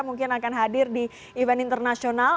mungkin akan hadir di event internasional